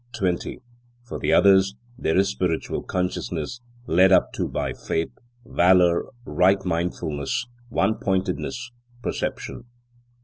20. For the others, there is spiritual consciousness, led up to by faith, valour, right mindfulness, one pointedness, perception.